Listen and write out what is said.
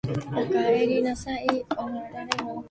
男の視線の先には一斗缶があった。男はぼんやりと一斗缶を眺めていた。